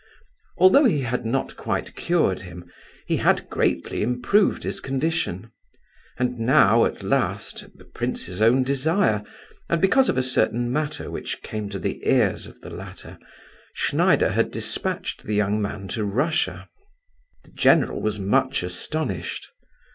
Although he had not quite cured him, he had greatly improved his condition; and now, at last, at the prince's own desire, and because of a certain matter which came to the ears of the latter, Schneider had despatched the young man to Russia. The general was much astonished.